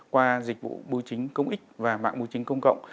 qua dịch vụ bùi chính công ích và mạng bùi chính công cộng